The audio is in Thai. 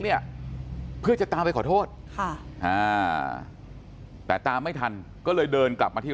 เนี่ยเพื่อจะตามไปขอโทษค่ะอ่าแต่ตามไม่ทันก็เลยเดินกลับมาที่